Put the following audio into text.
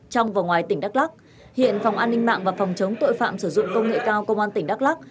tỉnh đắk lắc hiện phòng an ninh mạng và phòng chống tội phạm sử dụng công nghệ cao công an tỉnh đắk lắc